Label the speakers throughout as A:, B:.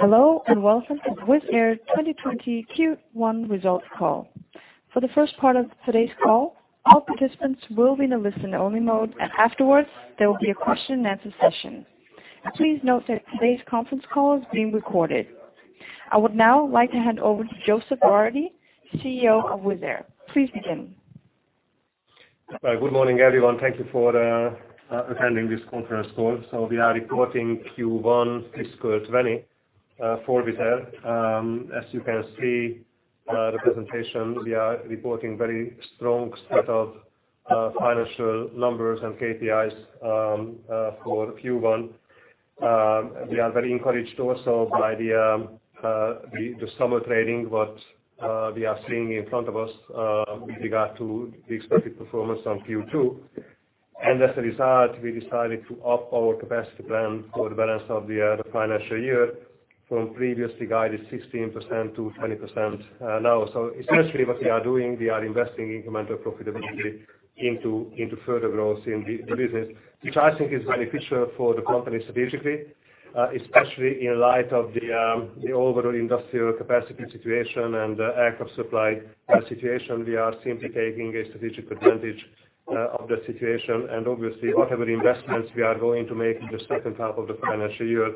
A: Hello, welcome to Wizz Air 2020 Q1 results call. For the first part of today's call, all participants will be in a listen-only mode, and afterwards, there will be a question and answer session. Please note that today's conference call is being recorded. I would now like to hand over to József Váradi, CEO of Wizz Air. Please begin.
B: Good morning, everyone. Thank you for attending this conference call. We are reporting Q1 fiscal 2020 for Wizz Air. As you can see, the presentation, we are reporting very strong set of financial numbers and KPIs for Q1. We are very encouraged also by the summer trading, what we are seeing in front of us with regard to the expected performance on Q2. As a result, we decided to up our capacity plan for the balance of the financial year from previously guided 16% to 20% now. Essentially what we are doing, we are investing incremental profitability into further growth in the business, which I think is beneficial for the company strategically, especially in light of the overall industrial capacity situation and the aircraft supply situation. We are simply taking a strategic advantage of the situation and obviously whatever investments we are going to make in the second half of the financial year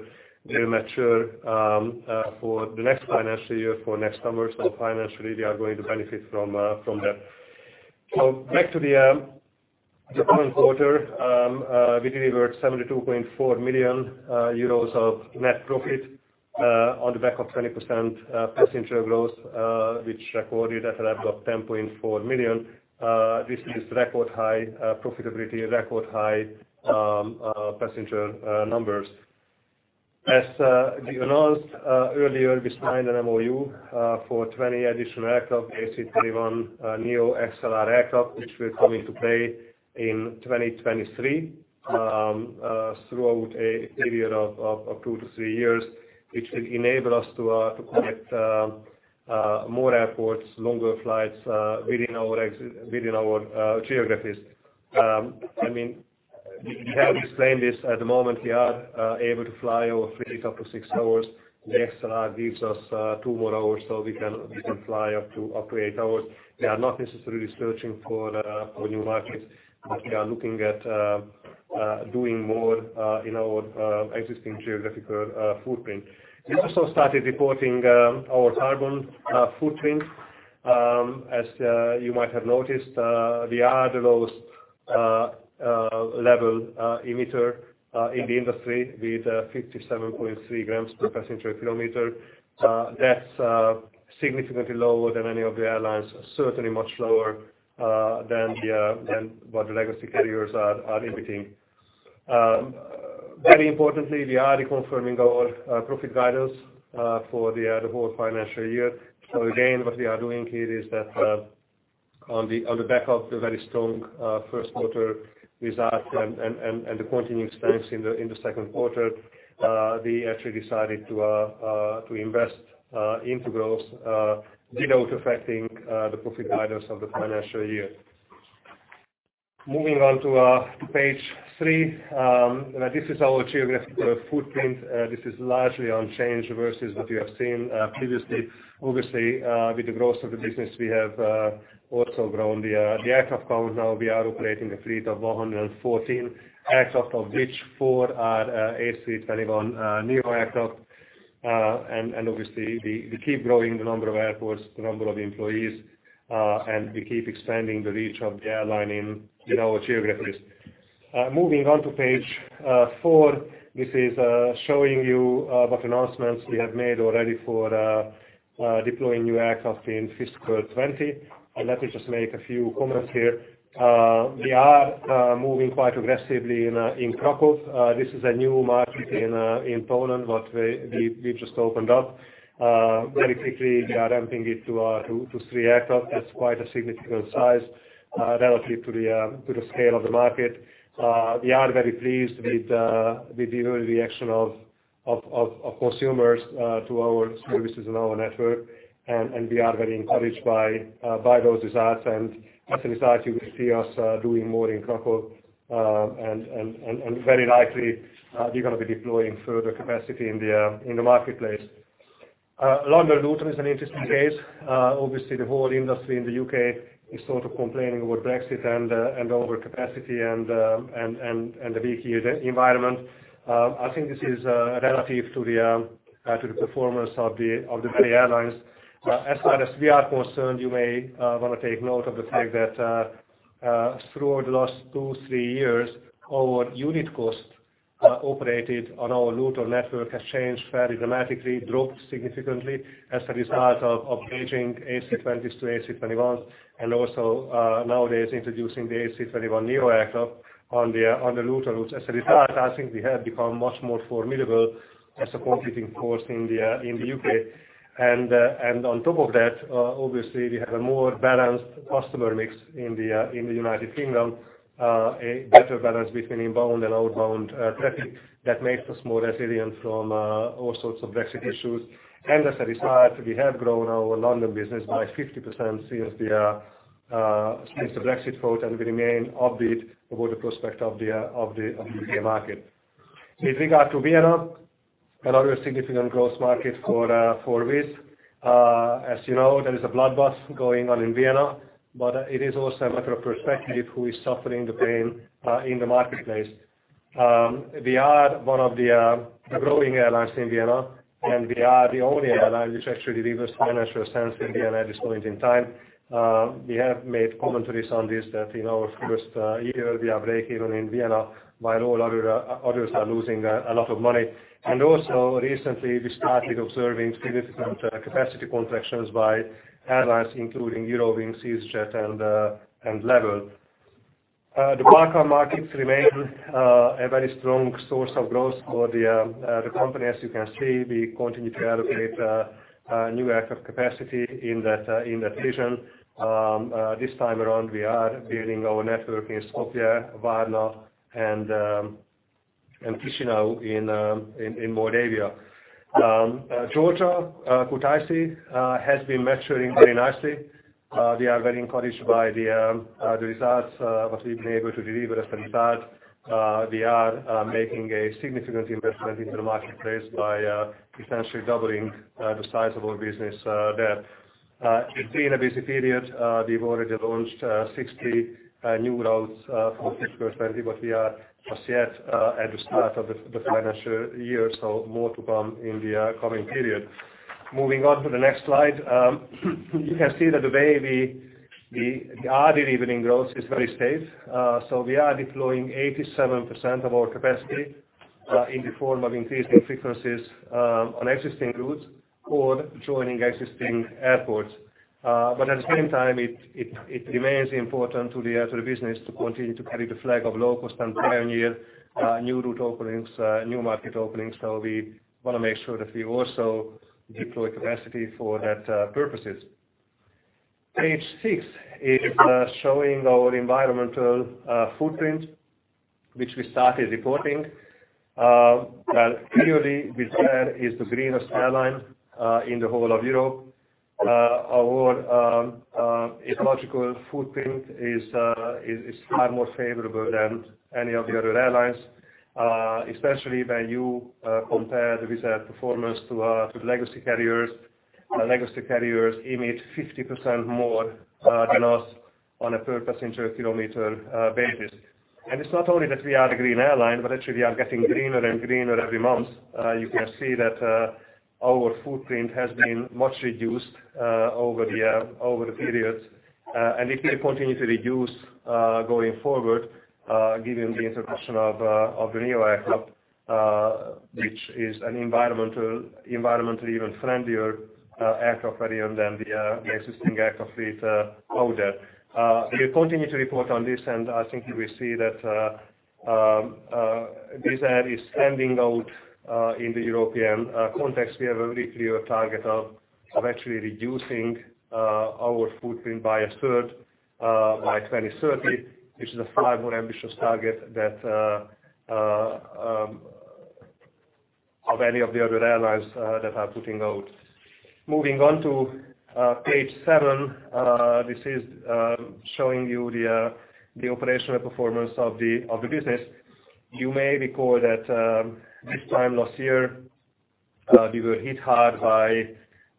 B: will mature for the next financial year, for next summer. Financially, we are going to benefit from that. Back to the current quarter, we delivered 72.4 million euros of net profit on the back of 20% passenger growth, which recorded an aircraft of 10.4 million. This is record-high profitability, record-high passenger numbers. As we announced earlier, we signed an MOU for 20 additional aircraft, A321XLR aircraft, which will come into play in 2023, throughout a period of 2 to 3 years, which will enable us to connect more airports, longer flights within our geographies. We have explained this, at the moment, we are able to fly our fleet up to six hours. The XLR gives us two more hours, so we can fly up to eight hours. We are not necessarily searching for new markets, but we are looking at doing more in our existing geographical footprint. We also started reporting our carbon footprint. As you might have noticed, we are the lowest level emitter in the industry with 57.3 grams per passenger kilometer. That's significantly lower than any of the airlines, certainly much lower than what the legacy carriers are emitting. Very importantly, we are reconfirming our profit guidance for the whole financial year. Again, what we are doing here is that on the back of the very strong first quarter results and the continuing strength in the second quarter, we actually decided to invest into growth without affecting the profit guidance of the financial year. Moving on to page three. This is our geographical footprint. This is largely unchanged versus what you have seen previously. Obviously, with the growth of the business, we have also grown the aircraft count. Now we are operating a fleet of 114 aircraft, of which four are A321neo aircraft. Obviously, we keep growing the number of airports, the number of employees, and we keep expanding the reach of the airline in our geographies. Moving on to page four. This is showing you what announcements we have made already for deploying new aircraft in fiscal 2020. Let me just make a few comments here. We are moving quite aggressively in Kraków. This is a new market in Poland, what we just opened up. Very quickly, we are ramping it to three aircraft. That's quite a significant size relatively to the scale of the market. We are very pleased with the early reaction of consumers to our services and our network. We are very encouraged by those results. As a result, you will see us doing more in Kraków, and very likely, we are going to be deploying further capacity in the marketplace. London Luton is an interesting case. Obviously, the whole industry in the U.K. is sort of complaining about Brexit and overcapacity and the weak yield environment. I think this is relative to the performance of the many airlines. As far as we are concerned, you may want to take note of the fact that throughout the last two, three years, our unit cost operated on our Luton network has changed fairly dramatically, dropped significantly as a result of aging A320s to A321s, and also nowadays introducing the A321neo aircraft on the Luton routes. I think we have become much more formidable as a competing force in the U.K. On top of that, obviously, we have a more balanced customer mix in the U.K., a better balance between inbound and outbound traffic that makes us more resilient from all sorts of Brexit issues. As a result, we have grown our London business by 50% since the Brexit vote, and we remain upbeat about the prospect of the U.K. market. With regard to Vienna, another significant growth market for Wizz. As you know, there is a bloodbath going on in Vienna, it is also a matter of perspective who is suffering the pain in the marketplace. We are one of the growing airlines in Vienna, we are the only airline which actually delivers financial sense in Vienna at this point in time. We have made commentaries on this that in our first year, we are breaking even in Vienna while all others are losing a lot of money. Also recently we started observing significant capacity contractions by airlines, including Eurowings, easyJet, and LEVEL. The Balkan markets remain a very strong source of growth for the company. As you can see, we continue to allocate new aircraft capacity in that region. This time around, we are building our network in Skopje, Varna, and Chișinău in Moldova. Georgia, Kutaisi, has been maturing very nicely. We are very encouraged by the results, what we've been able to deliver. As a result, we are making a significant investment into the marketplace by essentially doubling the size of our business there. It's been a busy period. We've already launched 60 new routes for the fiscal year. We are just yet at the start of the financial year. More to come in the coming period. Moving on to the next slide. You can see that the way we are delivering growth is very safe. We are deploying 87% of our capacity in the form of increasing frequencies on existing routes or joining existing airports. At the same time, it remains important to the business to continue to carry the flag of low-cost and pioneer new route openings, new market openings. We want to make sure that we also deploy capacity for that purposes. Page six is showing our environmental footprint, which we started reporting. Well, clearly, Wizz Air is the greenest airline in the whole of Europe. Our ecological footprint is far more favorable than any of the other airlines, especially when you compare the Wizz Air performance to legacy carriers. Legacy carriers emit 50% more than us on a per-passenger kilometer basis. It's not only that we are the green airline, but actually we are getting greener and greener every month. You can see that our footprint has been much reduced over the periods. It will continue to reduce going forward, given the introduction of the neo aircraft, which is an environmentally even friendlier aircraft variant than the existing aircraft fleet out there. We continue to report on this, and I think you will see that Wizz Air is standing out in the European context. We have a very clear target of actually reducing our footprint by a third by 2030, which is a far more ambitious target of any of the other airlines that are putting out. Moving on to page seven. This is showing you the operational performance of the business. You may recall that this time last year, we were hit hard by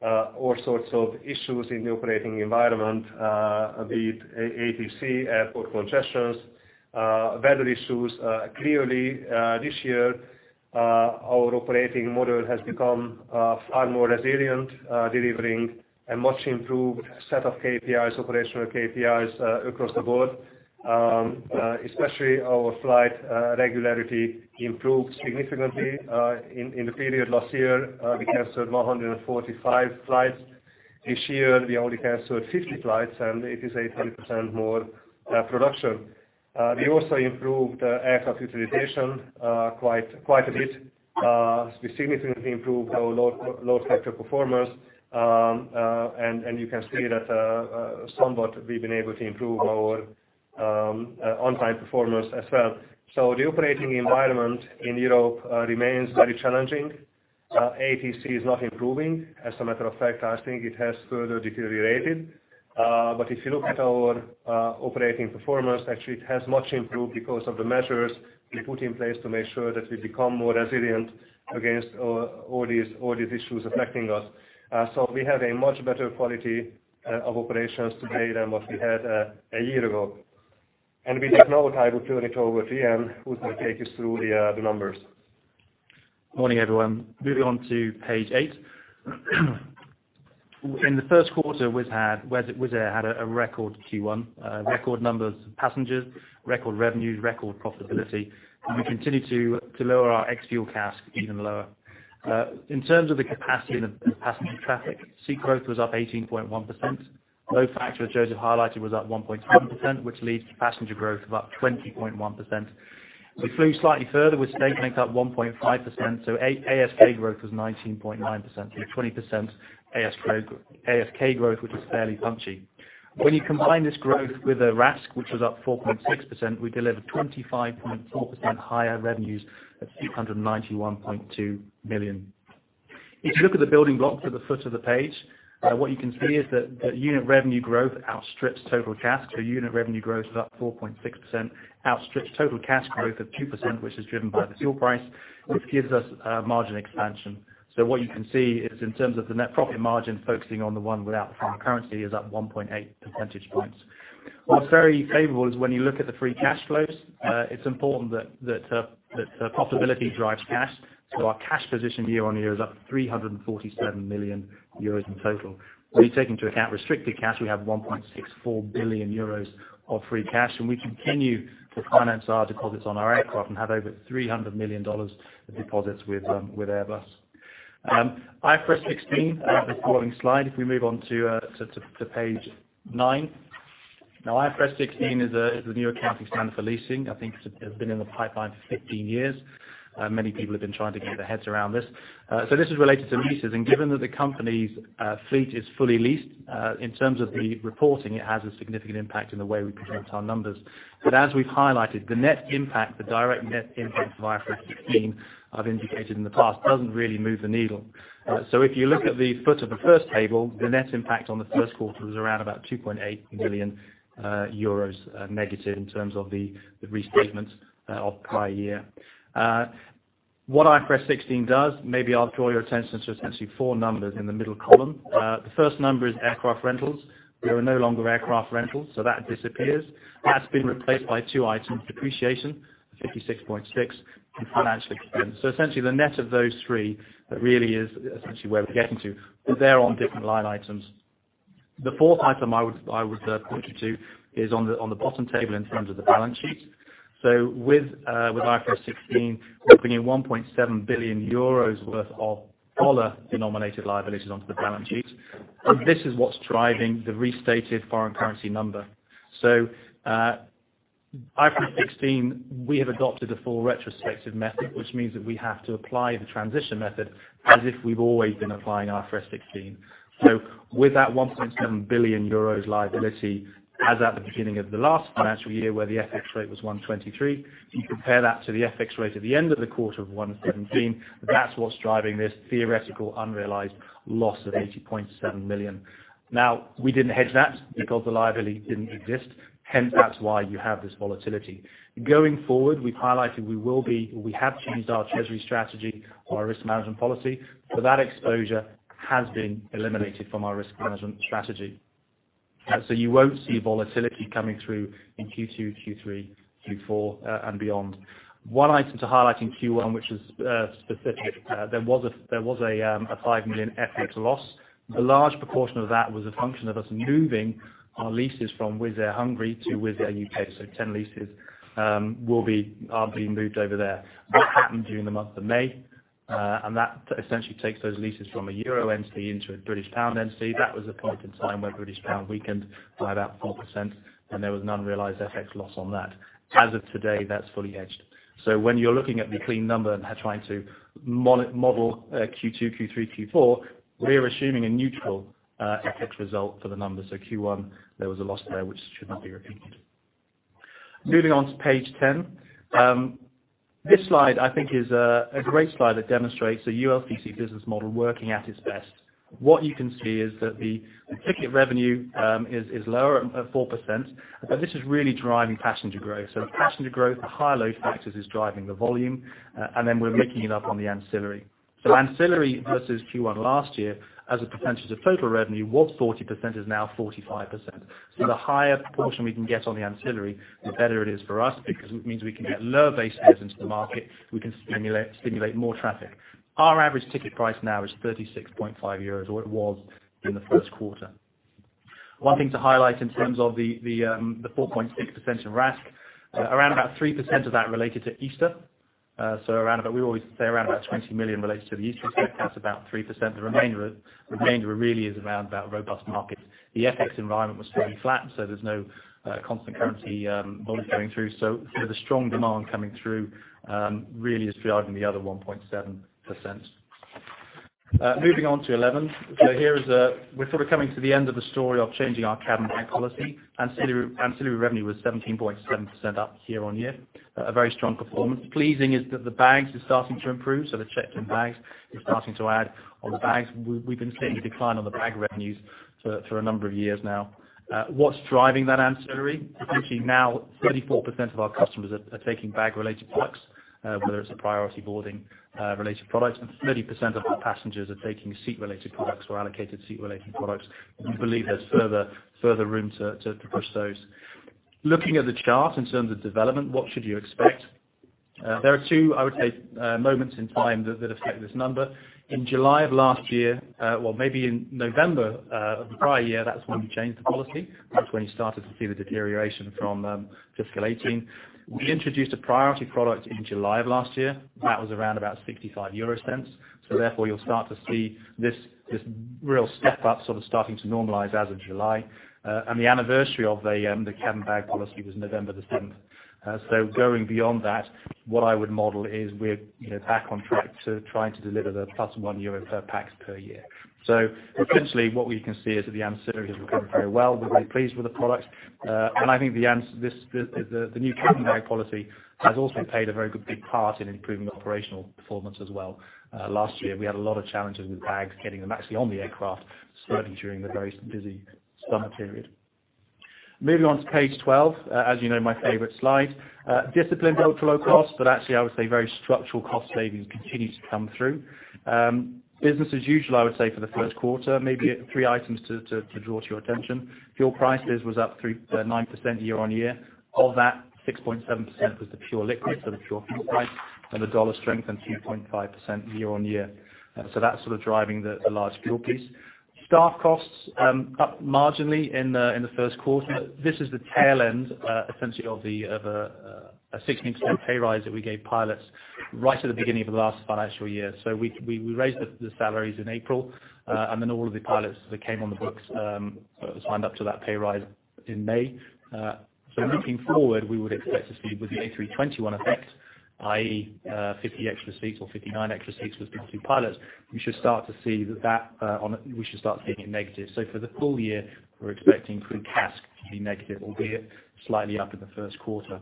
B: all sorts of issues in the operating environment, be it ATC, airport congestions, weather issues. Clearly, this year, our operating model has become far more resilient, delivering a much improved set of KPIs, operational KPIs across the board, especially our flight regularity improved significantly. In the period last year, we canceled 145 flights. This year, we only canceled 50 flights, and it is 100% more production. We also improved aircraft utilization quite a bit. We significantly improved our load factor performance. You can see that somewhat we've been able to improve our on-time performance as well. The operating environment in Europe remains very challenging. ATC is not improving. As a matter of fact, I think it has further deteriorated. If you look at our operating performance, actually, it has much improved because of the measures we put in place to make sure that we become more resilient against all these issues affecting us. We have a much better quality of operations today than what we had a year ago. With that note, I will turn it over to Ian, who will take you through the numbers.
C: Morning, everyone. Moving on to page eight. In the first quarter, Wizz Air had a record Q1. Record numbers of passengers, record revenues, record profitability. We continue to lower our ex-fuel CASK even lower. In terms of the capacity and the passenger traffic, seat growth was up 18.1%. Load factor, as József highlighted, was up 1.7%, which leads to passenger growth of up 20.1%. We flew slightly further with stage length up 1.5%. ASK growth was 19.9%, 20% ASK growth, which is fairly punchy. When you combine this growth with RASK, which was up 4.6%, we delivered 25.4% higher revenues at 691.2 million. If you look at the building blocks at the foot of the page, what you can see is that unit revenue growth outstrips total CASK. Unit revenue growth is up 4.6%, outstrips total CASK growth of 2%, which is driven by the fuel price, which gives us margin expansion. What you can see is in terms of the net profit margin, focusing on the one without foreign currency, is up 1.8 percentage points. What's very favorable is when you look at the free cash flows, it's important that profitability drives cash. Our cash position year on year is up 347 million euros in total. When you take into account restricted cash, we have 1.64 billion euros of free cash, and we continue to finance our deposits on our aircraft and have over $300 million of deposits with Airbus. IFRS 16, the following slide. If we move on to page nine. IFRS 16 is the new accounting standard for leasing. I think it has been in the pipeline for 15 years. Many people have been trying to get their heads around this. This is related to leases, and given that the company's fleet is fully leased, in terms of the reporting, it has a significant impact in the way we present our numbers. As we've highlighted, the net impact, the direct net impact of IFRS 16, I've indicated in the past, doesn't really move the needle. If you look at the foot of the first table, the net impact on the first quarter was around about 2.8 million euros negative in terms of the restatements of prior year. What IFRS 16 does, maybe I'll draw your attention to essentially four numbers in the middle column. The first number is aircraft rentals. There are no longer aircraft rentals, so that disappears. That's been replaced by two items, depreciation of 56.6 in financial expense. Essentially, the net of those three really is essentially where we're getting to, but they're on different line items. The fourth item I would point you to is on the bottom table in terms of the balance sheet. With IFRS 16, we're bringing €1.7 billion worth of dollar-denominated liabilities onto the balance sheet. This is what's driving the restated foreign currency number. IFRS 16, we have adopted a full retrospective method, which means that we have to apply the transition method as if we've always been applying IFRS 16. With that €1.7 billion liability as at the beginning of the last financial year, where the FX rate was 123, if you compare that to the FX rate at the end of the quarter of 117, that's what's driving this theoretical unrealized loss of 80.7 million. We didn't hedge that because the liability didn't exist. That's why you have this volatility. Going forward, we've highlighted we have changed our treasury strategy, our risk management policy. That exposure has been eliminated from our risk management strategy. You won't see volatility coming through in Q2, Q3, Q4, and beyond. One item to highlight in Q1, which is specific. There was a 5 million FX loss. A large proportion of that was a function of us moving our leases from Wizz Air Hungary to Wizz Air UK. 10 leases are being moved over there. That happened during the month of May, and that essentially takes those leases from a EUR entity into a GBP entity. That was a point in time where GBP weakened by about 4%, and there was an unrealized FX loss on that. As of today, that's fully hedged. When you're looking at the clean number and trying to model Q2, Q3, Q4, we're assuming a neutral FX result for the numbers. Q1, there was a loss there which should not be repeated. Moving on to page 10. This slide, I think is a great slide that demonstrates the ULCC business model working at its best. What you can see is that the ticket revenue is lower at 4%, but this is really driving passenger growth. Passenger growth, the high load factors is driving the volume, and then we're making it up on the ancillary. Ancillary versus Q1 last year, as a percentage of total revenue, was 40%, is now 45%. The higher proportion we can get on the ancillary, the better it is for us because it means we can get lower base fares into the market. We can stimulate more traffic. Our average ticket price now is €36.50, or it was in the first quarter. One thing to highlight in terms of the 4.6% in RASK, around about 3% of that related to Easter. We always say around about 20 million relates to the Easter effect. That's about 3%. The remainder really is around about robust markets. The FX environment was fairly flat, so there's no constant currency volumes going through. The strong demand coming through really is driving the other 1.7%. Moving on to 11. We're sort of coming to the end of the story of changing our cabin bag policy. Ancillary revenue was 17.7% up year-on-year. A very strong performance. Pleasing is that the bags is starting to improve, so the checked-in bags is starting to add on the bags. We've been seeing a decline on the bag revenues for a number of years now. What's driving that ancillary? Essentially now, 34% of our customers are taking bag-related products, whether it's a priority boarding related product, and 30% of our passengers are taking seat-related products or allocated seat-related products. We believe there's further room to push those. Looking at the chart in terms of development, what should you expect? There are two, I would say, moments in time that affect this number. In July of last year, well, maybe in November of the prior year, that's when we changed the policy. That's when you started to see the deterioration from fiscal 2018. We introduced a priority product in July of last year. That was around about 0.65. Therefore, you'll start to see this real step up sort of starting to normalize as of July. The anniversary of the cabin bag policy was November the 7th. Going beyond that, what I would model is we're back on track to trying to deliver the plus 1 euro per pax per year. Essentially, what we can see is that the ancillary is working very well. We're very pleased with the product. I think the new cabin bag policy has also played a very good big part in improving the operational performance as well. Last year, we had a lot of challenges with bags, getting them actually on the aircraft, struggling during the very busy summer period. Moving on to page 12, as you know, my favorite slide. Disciplined ultra-low cost, actually, I would say very structural cost savings continue to come through. Business as usual, I would say, for the first quarter. Maybe three items to draw to your attention. Fuel prices was up 39% year-on-year. Of that, 6.7% was the pure liquid, so the pure fuel price. The dollar strengthened 2.5% year-on-year. That's driving the large fuel piece. Staff costs up marginally in the first quarter. This is the tail end, essentially, of a 16% pay rise that we gave pilots right at the beginning of the last financial year. We raised the salaries in April. All of the pilots that came on the books were signed up to that pay rise in May. Looking forward, we would expect to see with the A321 effect, i.e., 50 extra seats or 59 extra seats with the two pilots, we should start seeing a negative. For the full year, we're expecting CASK to be negative, albeit slightly up in the first quarter.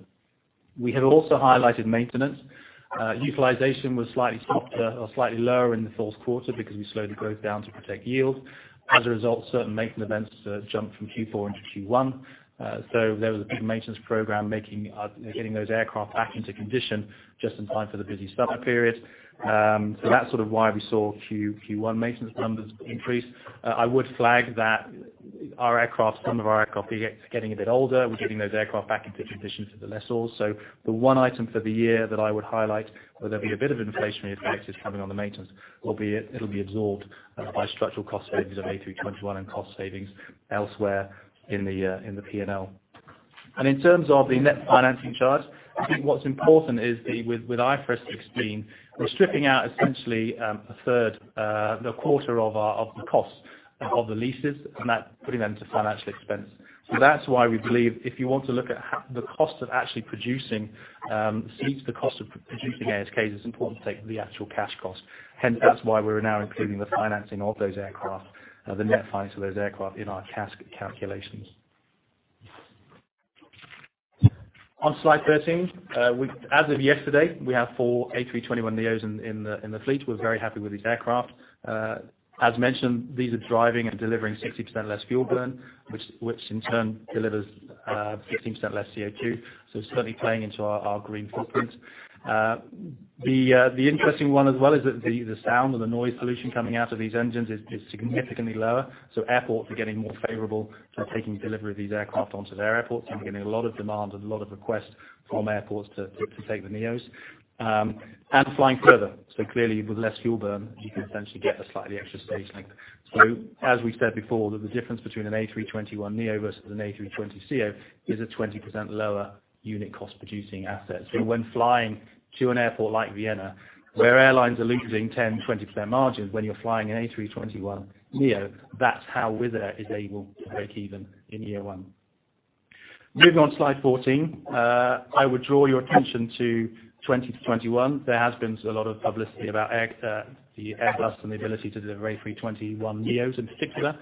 C: We have also highlighted maintenance. Utilization was slightly lower in the first quarter because we slowed the growth down to protect yield. Certain maintenance events jumped from Q4 into Q1. There was a big maintenance program getting those aircraft back into condition just in time for the busy summer period. That's why we saw Q1 maintenance numbers increase. I would flag that some of our aircraft are getting a bit older. We're getting those aircraft back into condition to the lessors. The one item for the year that I would highlight, where there'll be a bit of inflationary effect, is coming on the maintenance. It'll be absorbed by structural cost savings of A321 and cost savings elsewhere in the P&L. In terms of the net financing charge, I think what's important is with IFRS 16, we're stripping out essentially a third, a quarter of the cost of the leases and that putting them to financial expense. That's why we believe if you want to look at the cost of actually producing seats, the cost of producing ASKs, it's important to take the actual cash cost. Hence, that's why we're now including the financing of those aircraft, the net finance of those aircraft in our CASK calculations. On slide 13, as of yesterday, we have four A321neos in the fleet. We're very happy with these aircraft. As mentioned, these are driving and delivering 60% less fuel burn, which in turn delivers 15% less CO2, certainly playing into our green footprint. The interesting one as well is that the sound or the noise pollution coming out of these engines is significantly lower, so airports are getting more favorable to taking delivery of these aircraft onto their airports, and we're getting a lot of demand and a lot of requests from airports to take the neos. Flying further, so clearly, with less fuel burn, you can essentially get a slightly extra stage length. As we said before, the difference between an A321neo versus an A320ceo is a 20% lower unit cost producing assets. When flying to an airport like Vienna, where airlines are losing 10%, 20% margins when you're flying an A321neo, that's how Wizz Air is able to break even in year one. Moving on to slide 14. I would draw your attention to 2020 to 2021. There has been a lot of publicity about the Airbus and the ability to deliver A321neos in particular.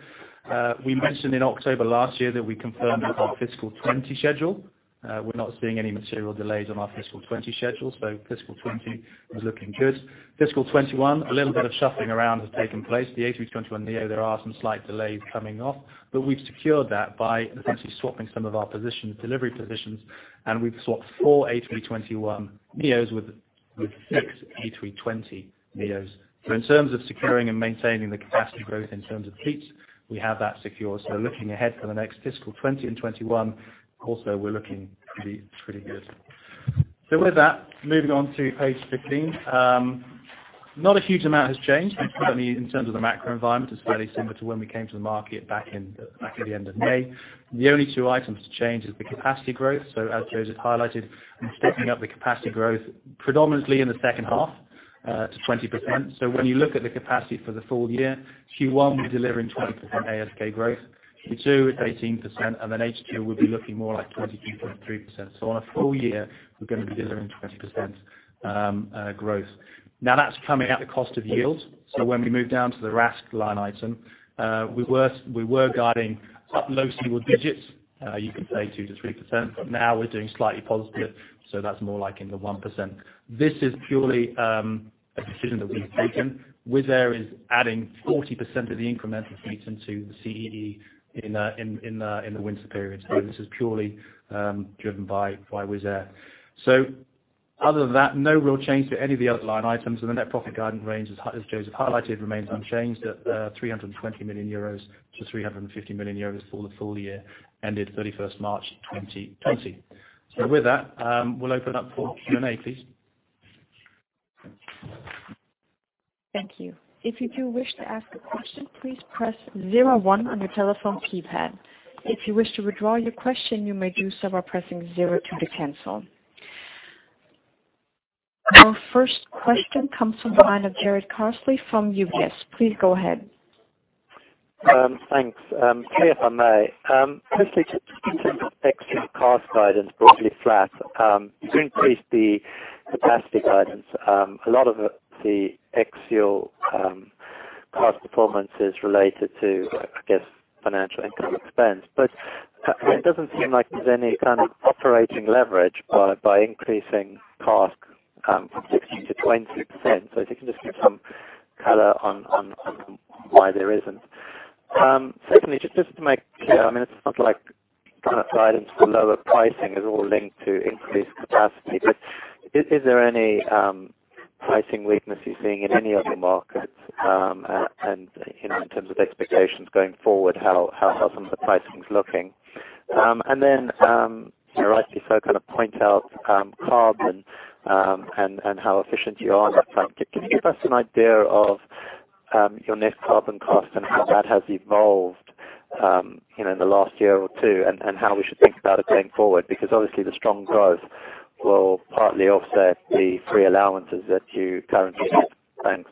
C: We mentioned in October last year that we confirmed our fiscal 2020 schedule. We're not seeing any material delays on our fiscal 2020 schedule, so fiscal 2020 is looking good. Fiscal 2021, a little bit of shuffling around has taken place. The A321neo, there are some slight delays coming off, but we've secured that by essentially swapping some of our positions, delivery positions, and we've swapped four A321neos with six A320neos. In terms of securing and maintaining the capacity growth in terms of fleet, we have that secure. Looking ahead for the next fiscal 2020 and 2021, also, we're looking pretty good. With that, moving on to page 15. Not a huge amount has changed, certainly in terms of the macro environment, it's fairly similar to when we came to the market back at the end of May. The only two items to change is the capacity growth. As József highlighted, stepping up the capacity growth predominantly in the second half to 20%. When you look at the capacity for the full year, Q1, we're delivering 20% ASK growth, Q2 it's 18%, and then H2 will be looking more like 22.3%. On a full year, we're going to be delivering 20% growth. That's coming at a cost of yield. When we move down to the RASK line item, we were guiding up low single digits, you could say 2%-3%, but now we're doing slightly positive, so that's more like in the 1%. This is purely a decision that we've taken. Wizz Air is adding 40% of the incremental fleet into the CEE in the winter period. This is purely driven by Wizz Air. Other than that, no real change to any of the other line items and the net profit guidance range, as Joseph highlighted, remains unchanged at 320 million-350 million euros for the full year ended 31st March 2020. With that, we'll open up for Q&A, please.
A: Thank you. If you do wish to ask a question, please press zero one on your telephone keypad. If you wish to withdraw your question, you may do so by pressing zero two to cancel. Our first question comes from the line of Jarrod Castle from UBS. Please go ahead.
D: Thanks. Clear, if I may. Just in terms of ex-fuel CASK guidance broadly flat. You've increased the capacity guidance. A lot of the ex-fuel CASK performance is related to, I guess, financial income expense. It doesn't seem like there's any kind of operating leverage by increasing CASK from 16%-20%. If you can just give some Color on why there isn't. Secondly, just to make clear, it's not like guidance for lower pricing is all linked to increased capacity, but is there any pricing weakness you're seeing in any of your markets? In terms of expectations going forward, how some of the pricing is looking. Then you rightly so point out carbon and how efficient you are on that front. Can you give us an idea of your net carbon cost and how that has evolved in the last year or two, and how we should think about it going forward? Because obviously the strong growth will partly offset the free allowances that you currently get. Thanks.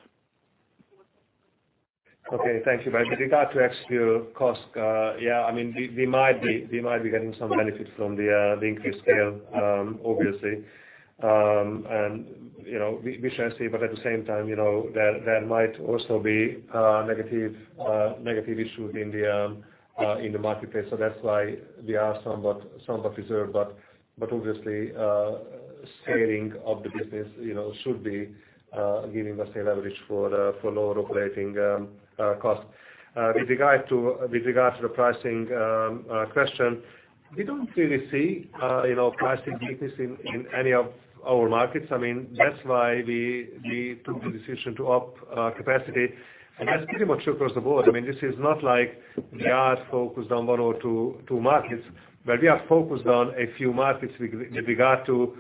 B: Okay. Thank you. With regard to ex-fuel cost, yeah, we might be getting some benefit from the increased scale, obviously. We shall see, but at the same time, there might also be negative issues in the marketplace. That's why we are somewhat reserved. Obviously scaling of the business should be giving us a leverage for lower operating cost. With regard to the pricing question, we don't really see pricing weakness in any of our markets. That's why we took the decision to up capacity. That's pretty much across the board. This is not like we are focused on one or two markets, but we are focused on a few markets with regard to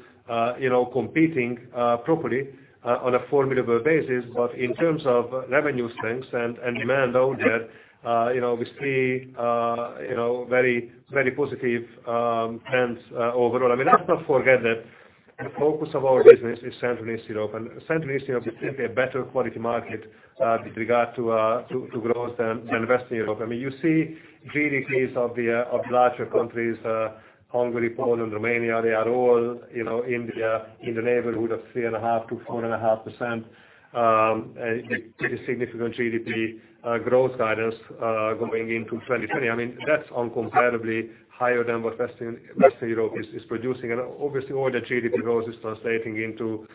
B: competing properly on affordable basis. In terms of revenue strengths and demand out there we see very positive trends overall. Let's not forget that the focus of our business is Central and Eastern Europe. Central and Eastern Europe is simply a better quality market with regard to growth than Western Europe. You see GDPs of the larger countries, Hungary, Poland, Romania, they are all in the neighborhood of 3.5%-4.5%. Pretty significant GDP growth guidance going into 2020. That's incomparably higher than what Western Europe is producing. Obviously all the GDP growth is translating into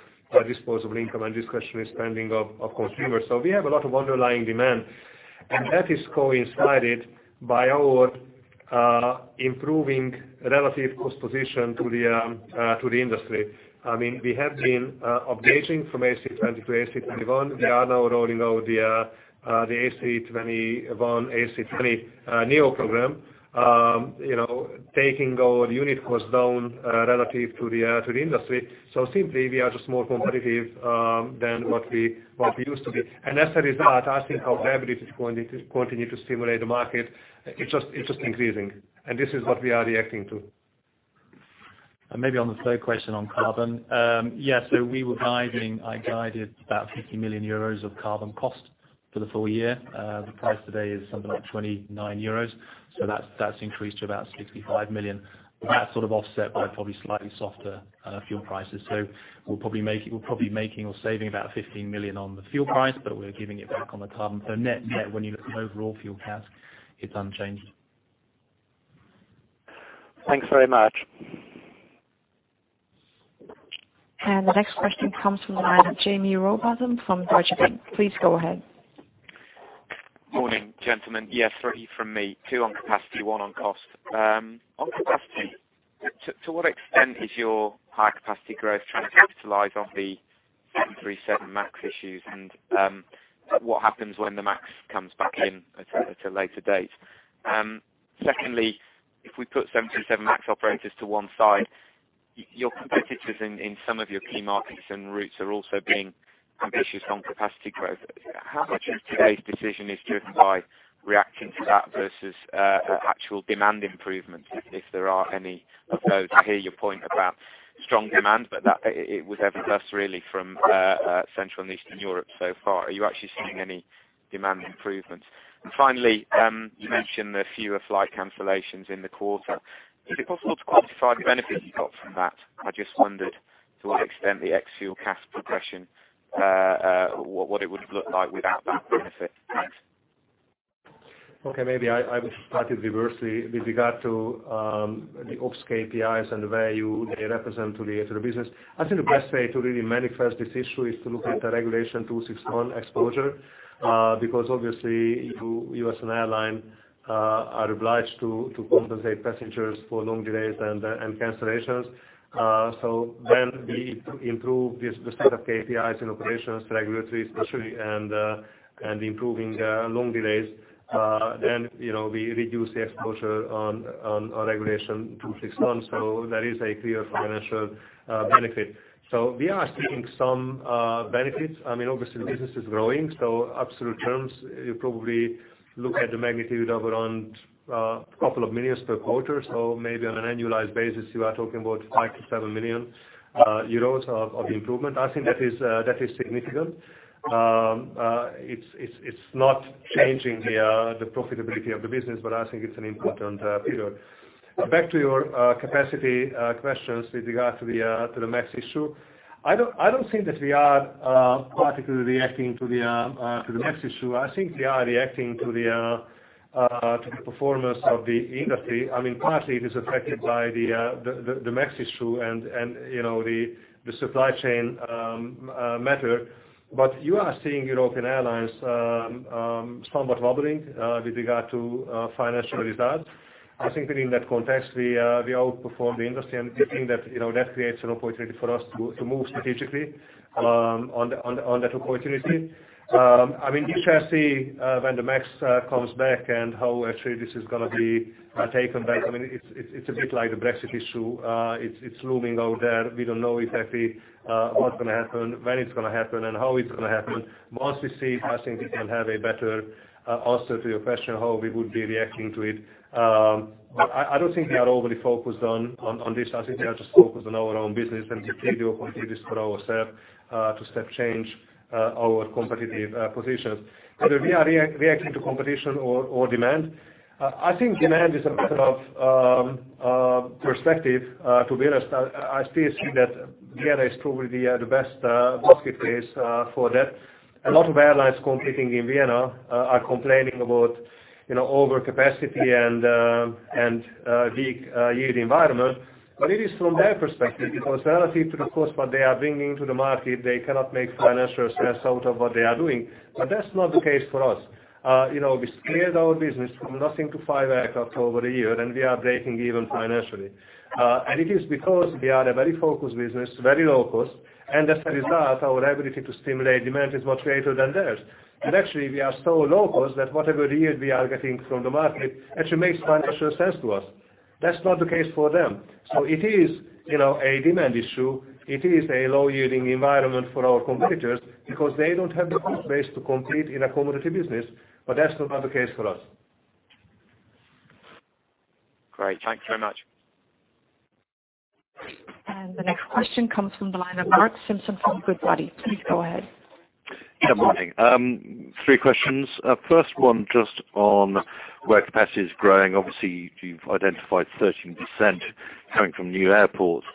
B: disposable income and discretionary spending of consumers. We have a lot of underlying demand, and that is coincided by our improving relative cost position to the industry. We have been updating from A320 to A321. We are now rolling out the A321, A320neo program, taking our unit cost down relative to the industry. Simply, we are just more competitive than what we used to be. As a result, I think our average is going to continue to stimulate the market. It's just increasing. This is what we are reacting to.
C: Maybe on the third question on carbon. We were guiding, I guided about 50 million euros of carbon cost for the full year. The price today is something like 29 euros. That's increased to about 65 million. That's sort of offset by probably slightly softer fuel prices. We're probably making or saving about 15 million on the fuel price, but we're giving it back on the carbon. Net, when you look at overall fuel CASK, it's unchanged.
D: Thanks very much.
A: The next question comes from the line of Jaime Rowbotham from Deutsche Bank. Please go ahead.
E: Morning, gentlemen. Yeah, three from me. Two on capacity, one on cost. On capacity, to what extent is your high capacity growth trying to capitalize on the 737 MAX issues? What happens when the MAX comes back in at a later date? Secondly, if we put 737 MAX operators to one side, your competitors in some of your key markets and routes are also being ambitious on capacity growth. How much of today's decision is driven by reaction to that versus actual demand improvements, if there are any of those? I hear your point about strong demand, that it was ever thus really from Central and Eastern Europe so far. Are you actually seeing any demand improvements? Finally, you mentioned the fewer flight cancellations in the quarter. Is it possible to quantify the benefit you got from that? I just wondered to what extent the ex-fuel CASK progression, what it would have looked like without that benefit? Thanks.
B: Okay. Maybe I will start it reversely. With regard to the OPS-KPIs and where they represent to the business, I think the best way to really manifest this issue is to look at the Regulation 261 exposure. Because obviously EU, U.S. and airline are obliged to compensate passengers for long delays and cancellations. When we improve the state of KPIs and operations, regulatory especially, and improving long delays, then we reduce the exposure on Regulation 261. There is a clear financial benefit. We are seeing some benefits. Obviously the business is growing, absolute terms, you probably look at the magnitude of around a couple of millions EUR per quarter. Maybe on an annualized basis, you are talking about 5 million-7 million euros of improvement. I think that is significant. It's not changing the profitability of the business, but I think it's an important figure. Back to your capacity questions with regard to the MAX issue. I don't think that we are particularly reacting to the MAX issue. I think we are reacting to the performance of the industry. Partly it is affected by the MAX issue and the supply chain matter. You are seeing European airlines somewhat wobbling with regard to financial results. I think that in that context, we outperform the industry, and we think that creates an opportunity for us to move strategically on that opportunity. We shall see when the MAX comes back and how actually this is going to be taken back. It's a bit like the Brexit issue. It's looming out there. We don't know exactly what's going to happen, when it's going to happen, and how it's going to happen. Once we see, I think we can have a better answer to your question, how we would be reacting to it. I don't think we are overly focused on this. I think we are just focused on our own business and taking the opportunities for ourselves to step change our competitive positions. Whether we are reacting to competition or demand, I think demand is a matter of perspective. To be honest, I still think that Vienna is probably the best marketplace for that. A lot of airlines competing in Vienna are complaining about overcapacity and weak yield environment. It is from their perspective, because relative to the cost what they are bringing to the market, they cannot make financial sense out of what they are doing. That's not the case for us. We scaled our business from nothing to five aircraft over a year, and we are breaking even financially. It is because we are a very focused business, very low cost, and as a result, our ability to stimulate demand is much greater than theirs. Actually, we are so low cost that whatever yield we are getting from the market actually makes financial sense to us. That's not the case for them. It is a demand issue. It is a low-yielding environment for our competitors because they don't have the cost base to compete in a commodity business. That's not the case for us.
E: Great. Thank you very much.
A: The next question comes from the line of Mark Simpson from Goodbody. Please go ahead.
F: Good morning. Three questions. First one just on where capacity is growing. Obviously, you've identified 13% coming from new airports.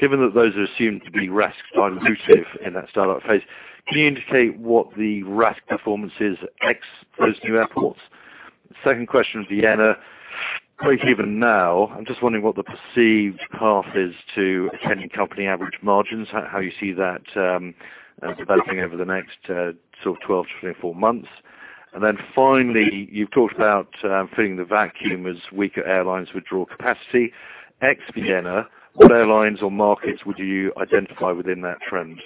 F: Given that those are assumed to be RASK dilutive in that start-up phase, can you indicate what the RASK performance is ex those new airports? Second question, Vienna, break even now, I'm just wondering what the perceived path is to attaining company average margins, how you see that developing over the next sort of 12 to 18 months. Finally, you've talked about filling the vacuum as weaker airlines withdraw capacity. Ex Vienna, what airlines or markets would you identify within that trend?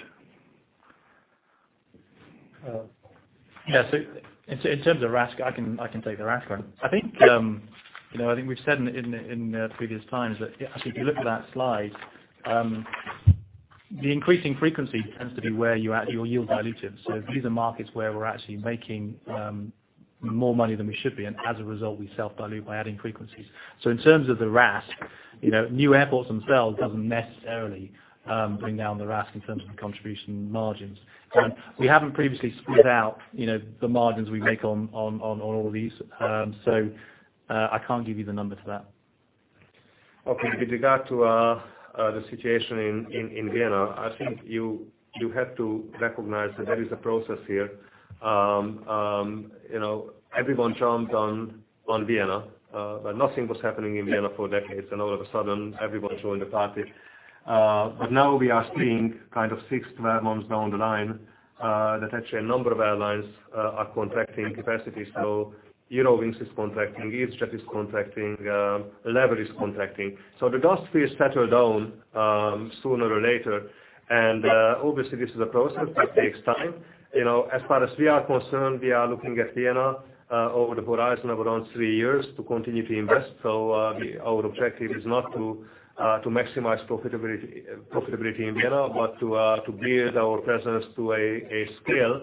C: In terms of RASK, I can take the RASK one. I think we've said in previous times that actually, if you look at that slide, the increasing frequency tends to be where you add your yield dilutive. These are markets where we're actually making more money than we should be, and as a result, we self-dilute by adding frequencies. In terms of the RASK, new airports themselves doesn't necessarily bring down the RASK in terms of the contribution margins. We haven't previously split out the margins we make on all these, so I can't give you the number for that.
B: Okay. With regard to the situation in Vienna, I think you have to recognize that there is a process here. Everyone jumped on Vienna, but nothing was happening in Vienna for decades, and all of a sudden, everyone joined the party. Now we are seeing kind of 6-12 months down the line that actually a number of airlines are contracting capacity. Eurowings is contracting, Wizz Air is contracting, LEVEL is contracting. Obviously this is a process, it takes time. As far as we are concerned, we are looking at Vienna over the horizon of around 3 years to continue to invest. Our objective is not to maximize profitability in Vienna, but to build our presence to a scale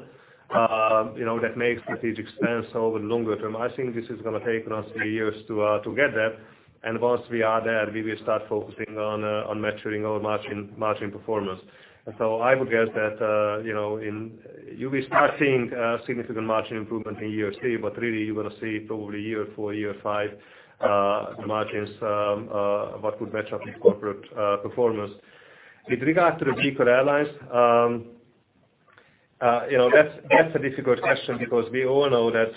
B: that makes strategic sense over the longer term. I think this is going to take around three years to get there. Once we are there, we will start focusing on maturing our margin performance. I would guess that you'll be start seeing a significant margin improvement in year three, but really you're going to see probably year four, year five, the margins what would match up with corporate performance. With regard to the weaker airlines, that's a difficult question because we all know that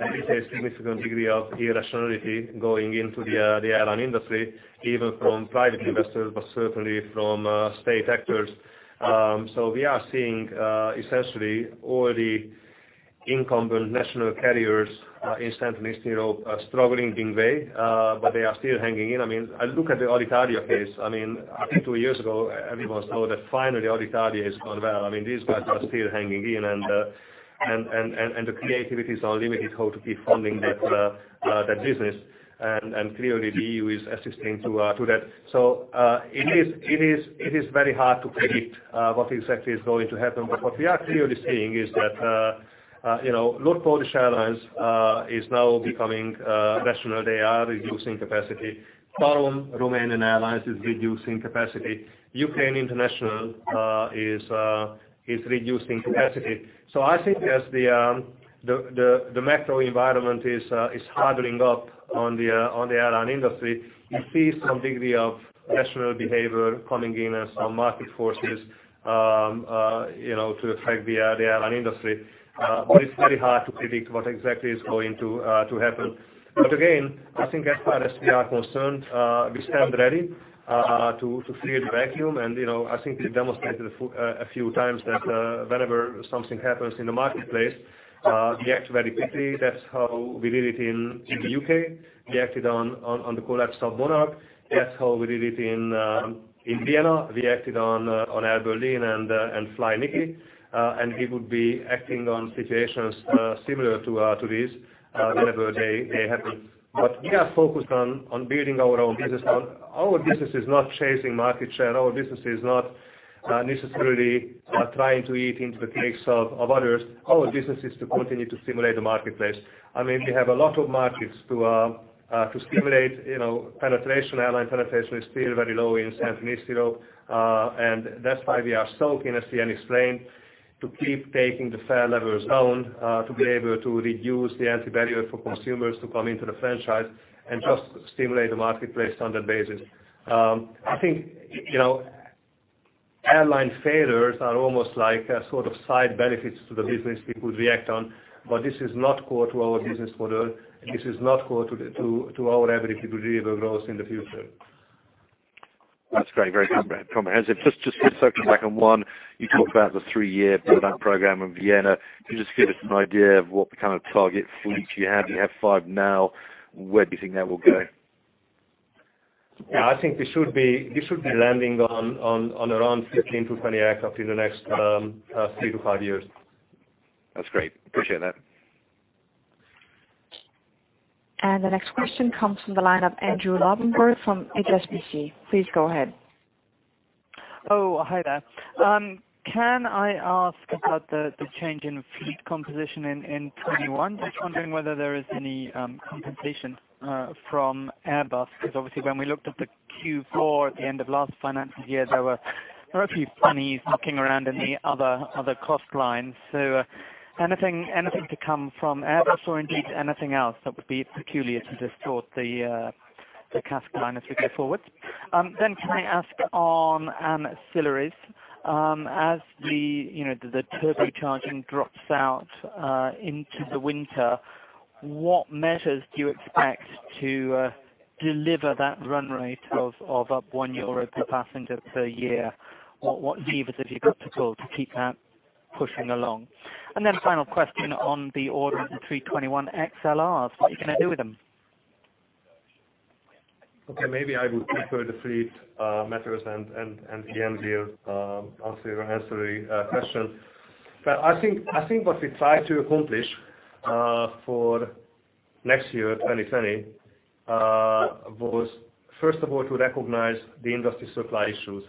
B: there is a significant degree of irrationality going into the airline industry, even from private investors, but certainly from state actors. We are seeing essentially all the incumbent national carriers in Central and Eastern Europe are struggling big way, but they are still hanging in. I look at the Alitalia case. I think two years ago, everyone thought that finally Alitalia has gone well. These guys are still hanging in, and the creativity is unlimited how to keep funding that business, and clearly the EU is assisting to that. It is very hard to predict what exactly is going to happen. What we are clearly seeing is that LOT Polish Airlines is now becoming rational. They are reducing capacity. TAROM Romanian Airlines is reducing capacity. Ukraine International is reducing capacity. I think as the macro environment is hardening up on the airline industry, you see some degree of rational behavior coming in and some market forces to affect the airline industry. It's very hard to predict what exactly is going to happen. Again, I think as far as we are concerned, we stand ready to fill the vacuum. I think we demonstrated a few times that whenever something happens in the marketplace, we act very quickly. That's how we did it in the U.K. We acted on the collapse of Monarch. That's how we did it in Vienna. We acted on Air Berlin and flyNiki. We would be acting on situations similar to these whenever they happen. We are focused on building our own business. Our business is not chasing market share. Our business is not necessarily trying to eat into the cakes of others. Our business is to continue to stimulate the marketplace. We have a lot of markets to stimulate penetration. Airline penetration is still very low in Central and Eastern Europe, and that's why we are so keen at Wizz Air to keep taking the fare levels down, to be able to reduce the anti-barrier for consumers to come into the franchise, and just stimulate the marketplace on that basis. I think airline failures are almost like sort of side benefits to the business we could react on. This is not core to our business model. This is not core to our ability to deliver growth in the future.
F: That's great. Very comprehensive. Just circling back on one, you talked about the three-year build-out program in Vienna. Can you just give us an idea of what kind of target fleet you have? You have five now. Where do you think that will go?
B: Yeah, I think we should be landing on around 15 to 20 aircraft in the next three to five years.
F: That's great. Appreciate that.
A: The next question comes from the line of Andrew Lobbenberg from HSBC. Please go ahead.
G: Oh, hi there. Can I ask about the change in fleet composition in 2021? Just wondering whether there is any compensation from Airbus, because obviously when we looked at the Q4 at the end of last financial year, there were a few funnies mucking around in the other cost lines. Anything to come from Airbus or indeed anything else that would be peculiar to distort the cash line as we go forward? Can I ask on ancillaries, as the turbocharging drops out into the winter, what measures do you expect to deliver that run rate of up 1 euro per passenger per year? What levers have you got at all to keep that pushing along? Final question on the order of the A321XLRs, what are you going to do with them?
B: Maybe I would prefer the fleet matters and at the end here answer your question. I think what we try to accomplish for next year, 2020, was first of all to recognize the industry supply issues.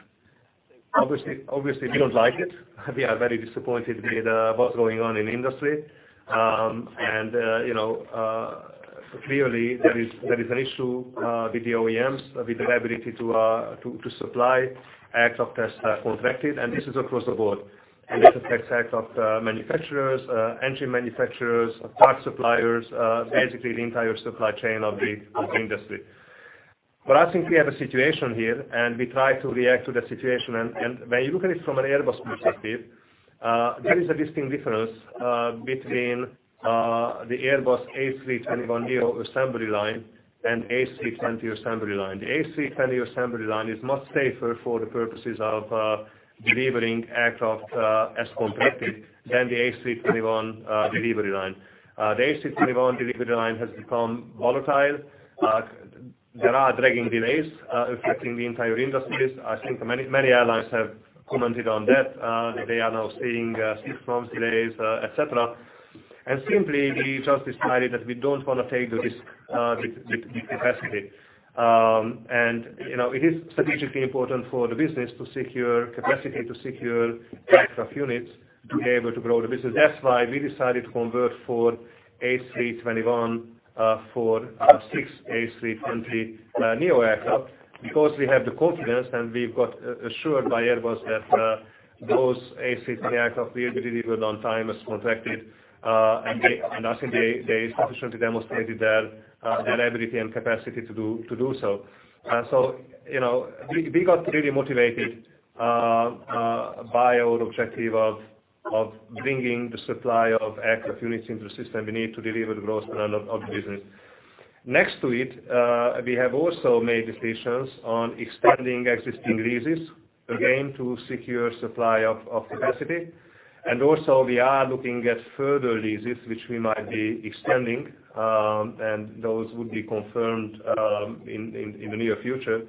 B: Obviously, we don't like it. We are very disappointed with what's going on in the industry. Clearly, there is an issue with the OEMs, with their ability to supply aircraft as contracted, and this is across the board. This affects aircraft manufacturers, engine manufacturers, parts suppliers, basically the entire supply chain of the industry. I think we have a situation here, and we try to react to the situation. When you look at it from an Airbus perspective, there is a distinct difference between the Airbus A321neo assembly line and A320 assembly line. The A320 assembly line is much safer for the purposes of delivering aircraft as contracted than the A321 delivery line. The A321 delivery line has become volatile. There are dragging delays affecting the entire industry. I think many airlines have commented on that. They are now seeing six-month delays, et cetera. Simply, we just decided that we don't want to take the risk with the capacity. It is strategically important for the business to secure capacity, to secure aircraft units to be able to grow the business. That's why we decided to convert four A321 for six A320neo aircraft because we have the confidence, and we've got assured by Airbus that those A320 aircraft will be delivered on time as contracted. I think they sufficiently demonstrated their ability and capacity to do so. We got really motivated by our objective of bringing the supply of aircraft units into the system we need to deliver the growth plan of the business. Next to it, we have also made decisions on extending existing leases, again, to secure supply of capacity. Also we are looking at further leases, which we might be extending, and those would be confirmed in the near future.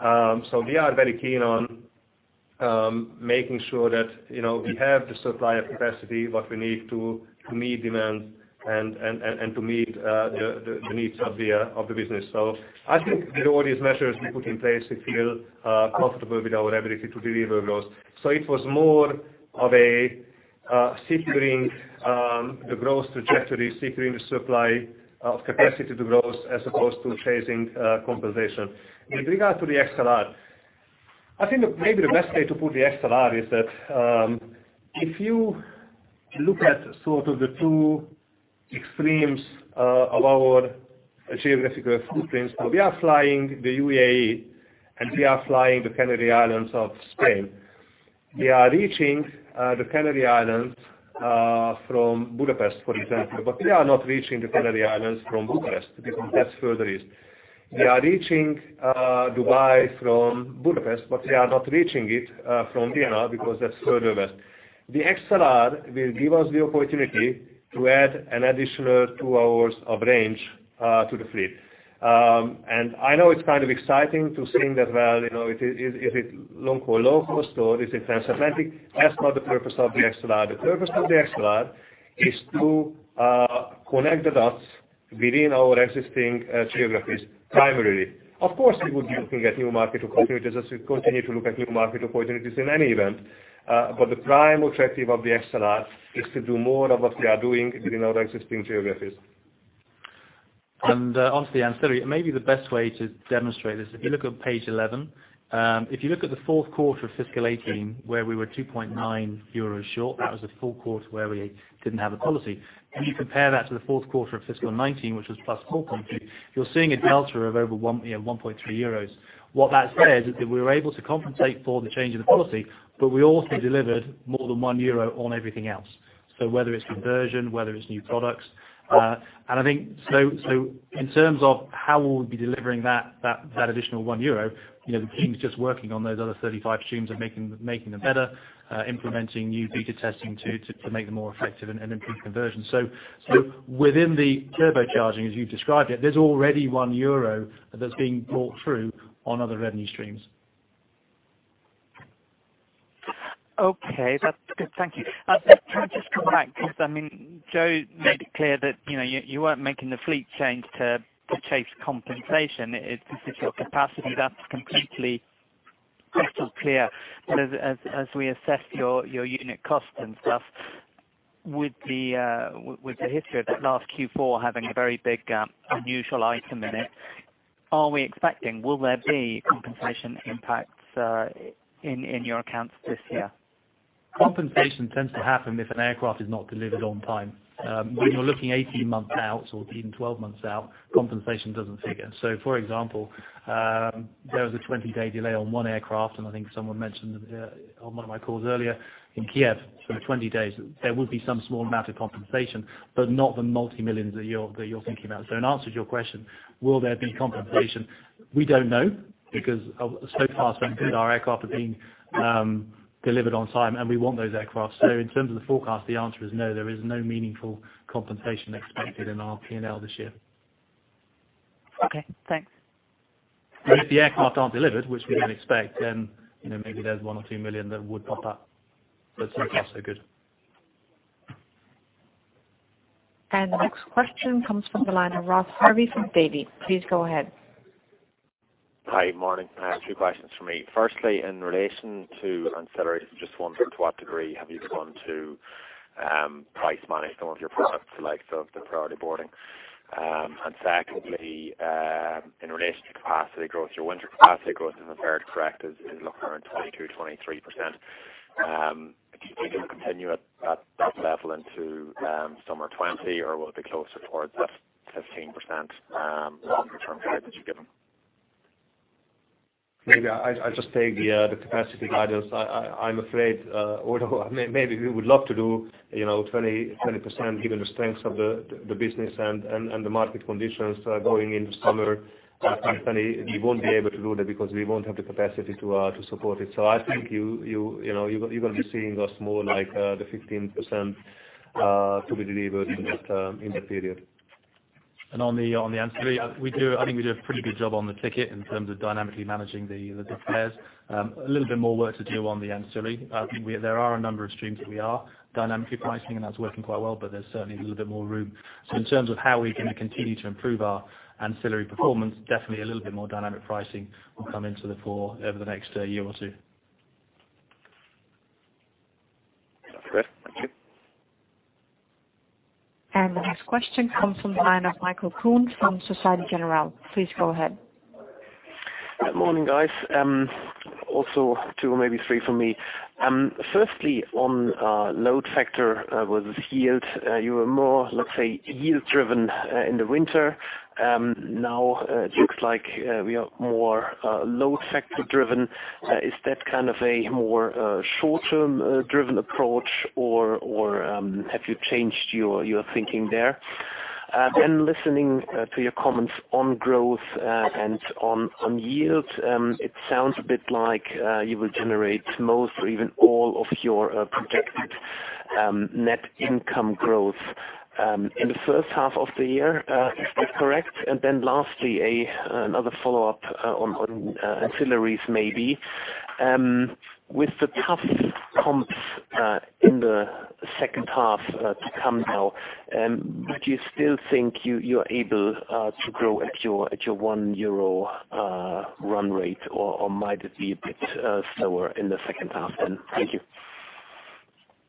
B: We are very keen on making sure that we have the supplier capacity what we need to meet demand and to meet the needs of the business. I think with all these measures we put in place, we feel comfortable with our ability to deliver growth. It was more of a securing the growth trajectory, securing the supply of capacity to grow as opposed to chasing compensation. With regard to the A321XLR, I think maybe the best way to put the A321XLR is that if you look at sort of the two-extremes of our geographical footprints. We are flying the UAE and we are flying the Canary Islands of Spain. We are reaching the Canary Islands from Budapest, for example, but we are not reaching the Canary Islands from Bucharest because that's further east. We are reaching Dubai from Budapest, but we are not reaching it from Vienna because that's further west. The A321XLR will give us the opportunity to add an additional two hours of range to the fleet. I know it's kind of exciting to think that, well, is it long-haul low cost, or is it transatlantic? That's not the purpose of the A321XLR. The purpose of the A321XLR is to connect the dots within our existing geographies, primarily. Of course, we would be looking at new market opportunities as we continue to look at new market opportunities in any event. The prime objective of the A321XLR is to do more of what we are doing within our existing geographies.
C: Onto the ancillary, maybe the best way to demonstrate this, if you look on page 11. If you look at the fourth quarter of fiscal 2018, where we were 2.9 euros short, that was a full quarter where we didn't have a policy. If you compare that to the fourth quarter of fiscal 2019, which was plus whole company, you're seeing a delta of over 1.3 euros. What that says is that we were able to compensate for the change in the policy, but we also delivered more than 1 euro on everything else, whether it's conversion, whether it's new products. I think, in terms of how we'll be delivering that additional 1 euro, the team's just working on those other 35 streams and making them better, implementing new beta testing to make them more effective and improve conversion. Within the turbocharging, as you've described it, there's already €1 that's being brought through on other revenue streams.
G: Okay. That's good. Thank you. Can I just come back because, Joe made it clear that you weren't making the fleet change to chase compensation. It's your capacity that's completely crystal clear. As we assess your unit costs and stuff, with the history of that last Q4 having a very big, unusual item in it, are we expecting, will there be compensation impacts in your accounts this year?
C: Compensation tends to happen if an aircraft is not delivered on time. When you're looking 18 months out or even 12 months out, compensation doesn't figure. For example, there was a 20-day delay on one aircraft, and I think someone mentioned on one of my calls earlier, in Kiev. 20 days, there will be some small amount of compensation, but not the multi-millions that you're thinking about. In answer to your question, will there be compensation? We don't know because so far, so good. Our aircraft are being delivered on time, and we want those aircraft. In terms of the forecast, the answer is no, there is no meaningful compensation expected in our P&L this year.
G: Okay, thanks.
C: If the aircraft aren't delivered, which we don't expect, then maybe there's EUR one or two million that would pop up.
G: Okay.
C: So far, so good.
A: The next question comes from the line of Ross Harvey from Davy. Please go ahead.
H: Hi, morning. I have two questions for me. Firstly, in relation to ancillary, just wondering to what degree have you gone to price manage some of your products, the likes of the priority boarding? Secondly, in relation to capacity growth, your winter capacity growth, if I heard correct, is looking around 22%-23%. Do you think it will continue at that level into summer 2020, or will it be closer towards that 15% longer-term guide that you've given?
B: I'll just take the capacity guidance. I'm afraid, although maybe we would love to do 20% given the strength of the business and the market conditions going into summer of 2020. We won't be able to do that because we won't have the capacity to support it. I think you're going to be seeing us more like the 15% to be delivered in that period.
C: On the ancillary, I think we do a pretty good job on the ticket in terms of dynamically managing the fares. A little bit more work to do on the ancillary. I think there are a number of streams that we are dynamically pricing, and that's working quite well, but there's certainly a little bit more room. In terms of how we're going to continue to improve our ancillary performance, definitely a little bit more dynamic pricing will come into the fore over the next year or two.
H: Great. Thank you.
A: The next question comes from the line of Michael Kuhn from Société Générale. Please go ahead.
I: Good morning, guys. Also two or maybe three from me. Firstly, on load factor versus yield. You were more, let's say, yield driven in the winter. Now it looks like we are more load factor driven. Is that kind of a more short-term driven approach or have you changed your thinking there? Listening to your comments on growth and on yield, it sounds a bit like you will generate most or even all of your projected net income growth in the first half of the year. Is that correct? Lastly, another follow-up on ancillaries maybe. With the tough comps in the second half to come now, do you still think you are able to grow at your 1 euro run rate, or might it be a bit slower in the second half then? Thank you.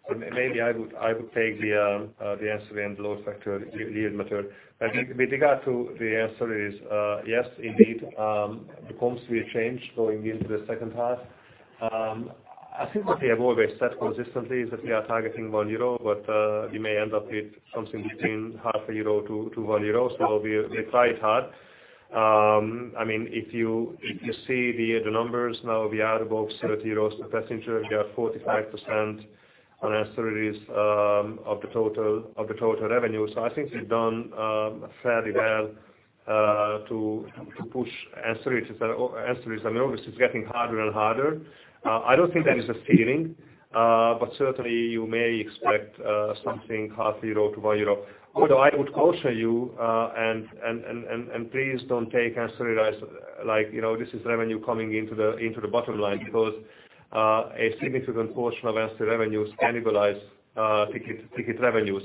B: Maybe I would take the ancillary and load factor yield matter. I think with regard to the ancillaries, yes, indeed. The comps will change going into the second half. I think what we have always said consistently is that we are targeting 1 euro, but we may end up with something between half a EUR to 1 euro. We try it hard. If you see the numbers now, we are above 30 euros per passenger. We are 45% on ancillaries of the total revenue. I think we've done fairly well to push ancillaries. I mean, obviously, it's getting harder and harder. I don't think that is a ceiling, but certainly you may expect something half EUR to 1 euro. Although I would caution you, and please don't take ancillaries like this is revenue coming into the bottom line because a significant portion of ancillary revenues cannibalize ticket revenues.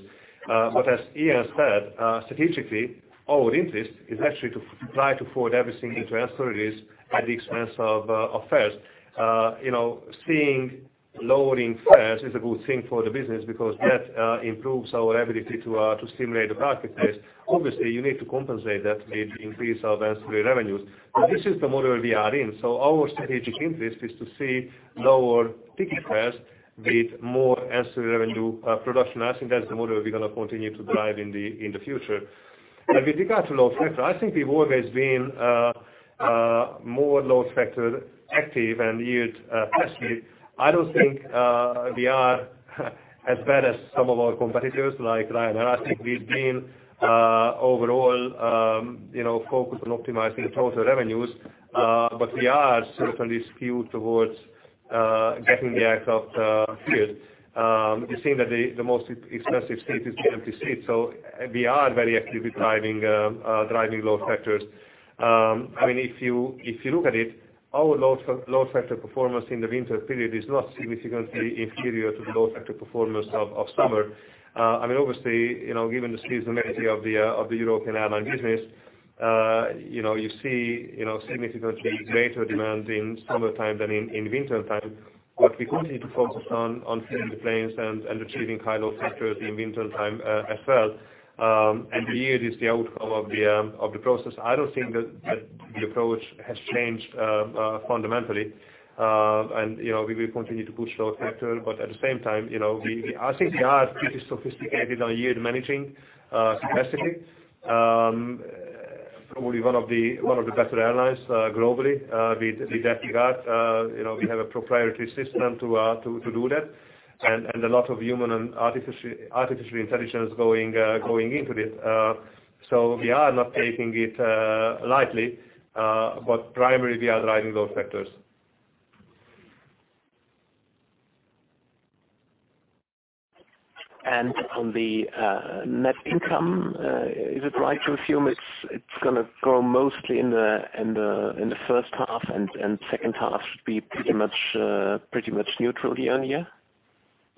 B: As Ian said, strategically, our interest is actually to try to forward everything into ancillaries at the expense of fares. Seeing lowering fares is a good thing for the business because that improves our ability to stimulate the marketplace. Obviously, you need to compensate that with increase of ancillary revenues. This is the model we are in. Our strategic interest is to see lower ticket fares with more ancillary revenue production. I think that's the model we're going to continue to drive in the future. With regard to load factor, I think we've always been more load factor active and yield thirsty. I don't think we are as bad as some of our competitors, like Ryanair. I think we've been overall focused on optimizing total revenues, but we are certainly skewed towards getting the act of yield. We've seen that the most expensive seat is the empty seat. We are very actively driving load factors. If you look at it, our load factor performance in the winter period is not significantly inferior to the load factor performance of summer. Obviously, given the seasonality of the European airline business, you see significantly greater demand in summertime than in wintertime. What we do need to focus on filling the planes and achieving high load factors in wintertime as well, and yield is the outcome of the process. I don't think that the approach has changed fundamentally. We will continue to push load factor, but at the same time, I think we are pretty sophisticated on yield managing capacity. Probably one of the better airlines globally with that regard. We have a proprietary system to do that and a lot of human and artificial intelligence going into this. We are not taking it lightly. Primarily, we are driving load factors.
I: On the net income, is it right to assume it's going to grow mostly in the first half and second half should be pretty much neutral year-on-year?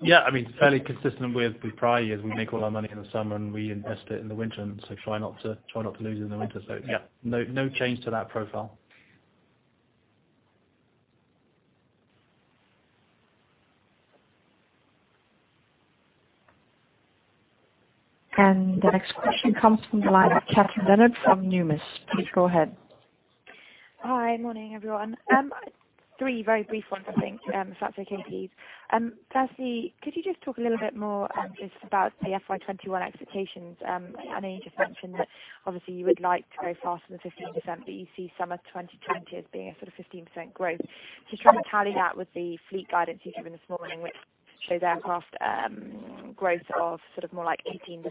C: Yeah. Fairly consistent with the prior years. We make all our money in the summer, and we invest it in the winter, and so try not to lose in the winter. Yeah, no change to that profile.
A: The next question comes from the line of Kathryn Leonard from Numis. Please go ahead.
J: Hi. Morning, everyone. Three very brief ones, I think, if that's okay, please. Firstly, could you just talk a little bit more just about the FY 2021 expectations? I know you just mentioned that obviously you would like to grow faster than 15%, but you see summer 2020 as being a sort of 15% growth. Just trying to tally that with the fleet guidance you've given this morning, which shows aircraft growth of sort of more like 18%.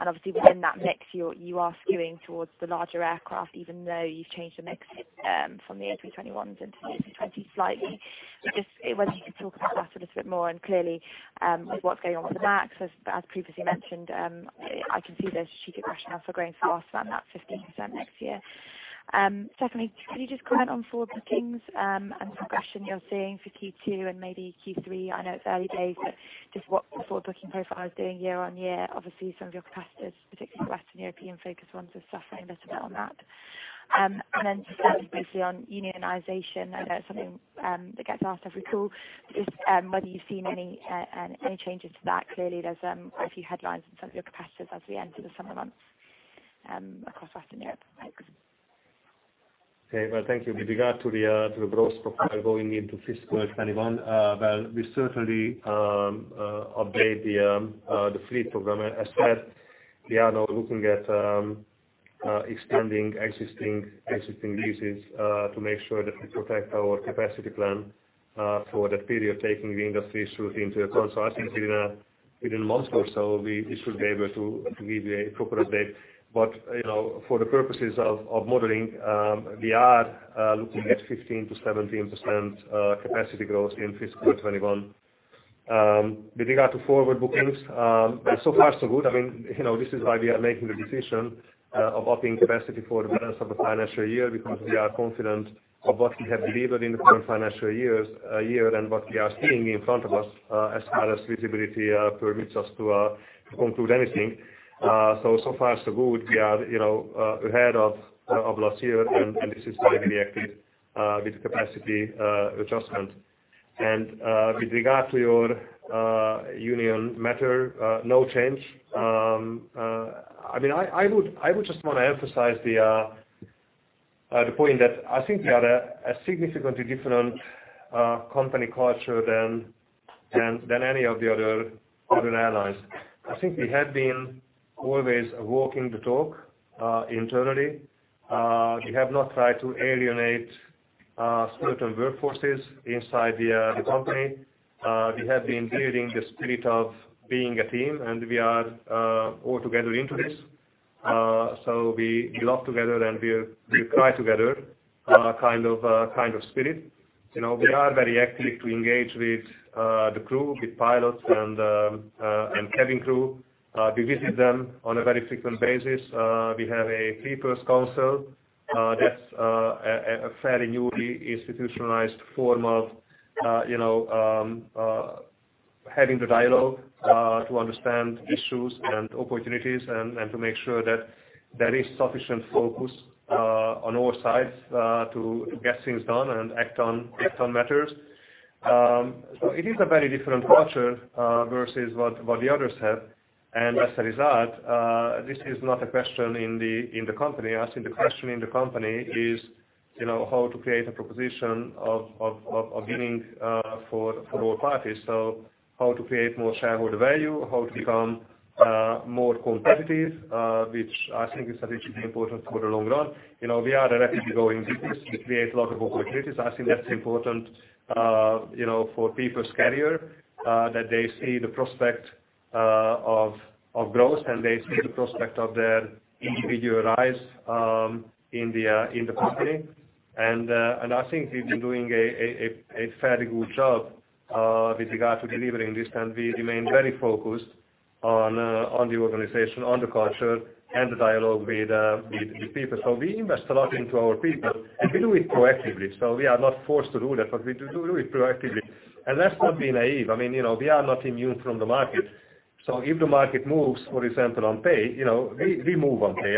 J: Obviously within that mix, you are skewing towards the larger aircraft even though you've changed the mix from the A321s into the A320 slightly. Just wonder if you could talk about that a little bit more and clearly what's going on with the MAX. As previously mentioned, I can see the strategic rationale for growing faster than that 15% next year. Secondly, could you just comment on forward bookings and progression you're seeing for Q2 and maybe Q3? I know it's early days, but just what the forward booking profile is doing year on year. Obviously, some of your capacities, particularly Western European-focused ones, are suffering a bit on that. Then just finally, briefly on unionization. I know it's something that gets asked every call. Just whether you've seen any changes to that. Clearly, there's a few headlines on some of your competitors as we enter the summer months across Western Europe. Thanks.
B: Okay. Well, thank you. With regard to the growth profile going into fiscal 2021, well, we certainly update the fleet program. As said, we are now looking at extending existing leases to make sure that we protect our capacity plan for that period, taking the industry through into account. I think within a month or so, we should be able to give you a proper update. For the purposes of modeling, we are looking at 15%-17% capacity growth in fiscal 2021. With regard to forward bookings, so far so good. This is why we are making the decision of upping capacity for the balance of the financial year because we are confident of what we have delivered in the current financial year and what we are seeing in front of us as far as visibility permits us to conclude anything. So far so good. We are ahead of last year. This is why we reacted with capacity adjustment. With regard to your union matter, no change. I would just want to emphasize the point that I think we are a significantly different company culture than any of the other airlines. I think we have been always walking the talk internally. We have not tried to alienate certain workforces inside the company. We have been building the spirit of being a team, and we are all together into this. We laugh together and we cry together kind of spirit. We are very active to engage with the crew, with pilots and cabin crew. We visit them on a very frequent basis. We have a People Council. That's a fairly newly institutionalized form of having the dialogue to understand issues and opportunities and to make sure that there is sufficient focus on all sides to get things done and act on matters. It is a very different culture versus what the others have. As a result, this is not a question in the company. I think the question in the company is how to create a proposition of winning for all parties. How to create more shareholder value, how to become more competitive, which I think is strategically important for the long run. We are rapidly growing business. We create a lot of opportunities. I think that's important for people's career, that they see the prospect of growth, and they see the prospect of their individual rise in the company. I think we've been doing a fairly good job with regard to delivering this, and we remain very focused on the organization, on the culture, and the dialogue with the people. We invest a lot into our people, and we do it proactively, so we are not forced to do that, but we do it proactively. Let's not be naive. We are not immune from the market. If the market moves, for example, on pay, we move on pay.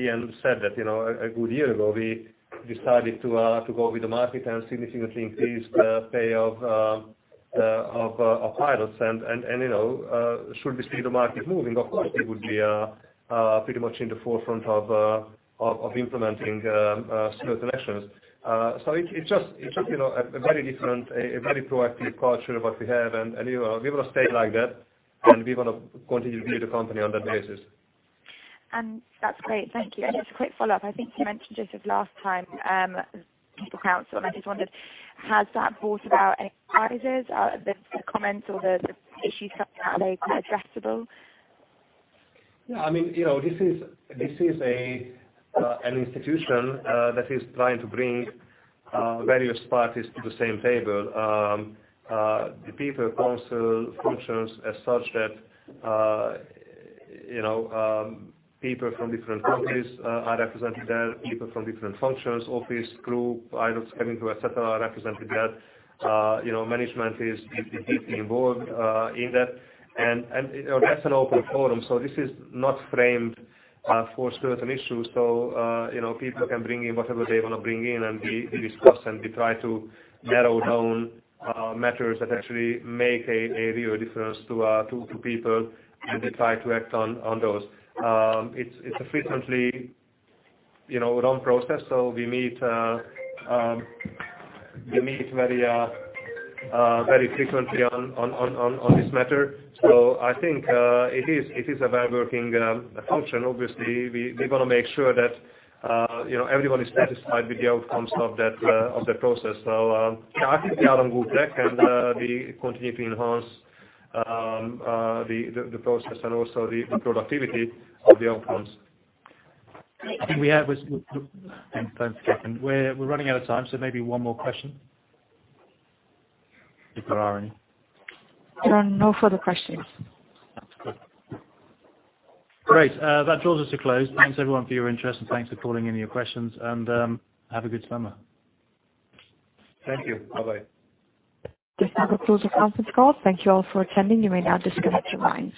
B: Ian said that a good year ago, we decided to go with the market and significantly increase the pay of pilots. Should we see the market moving, of course, we would be pretty much in the forefront of implementing certain actions. It's just a very different, a very proactive culture what we have, and we want to stay like that, and we want to continue to build the company on that basis.
J: That's great. Thank you. Just a quick follow-up. I think you mentioned just this last time, People Council, and I just wondered, has that brought about any surprises? The comments or the issues coming out, are they addressable?
B: This is an institution that is trying to bring various parties to the same table. The People Council functions as such that people from different countries are represented there, people from different functions, office, crew, pilots, cabin crew, et cetera, are represented there. Management is deeply involved in that. That's an open forum, this is not framed for certain issues. People can bring in whatever they want to bring in, we discuss, we try to narrow down matters that actually make a real difference to people, we try to act on those. It's a frequently run process, we meet very frequently on this matter. I think it is a well-working function. Obviously, we want to make sure that everyone is satisfied with the outcomes of the process. I think we are on good track, and we continue to enhance the process and also the productivity of the outcomes.
C: I think we have one second. We're running out of time. Maybe one more question. If there are any.
A: There are no further questions.
C: That's good. Great. That draws us to close. Thanks, everyone, for your interest, and thanks for calling in your questions. Have a good summer.
B: Thank you. Bye-bye.
A: Just have a close of conference call. Thank you all for attending. You may now disconnect your lines.